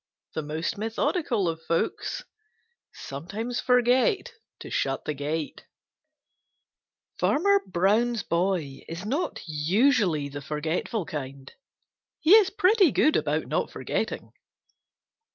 The most methodical of folks Sometimes forget to shut the gate. —Old Granny Fox. Farmer Brown's Boy is not usually the forgetful kind. He is pretty good about not forgetting.